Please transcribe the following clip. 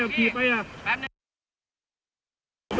หน้าที่ผม